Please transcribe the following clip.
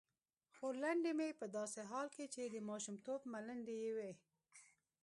خورلنډې مې په داسې حال کې چې د ماشومتوب ملنډې یې وې.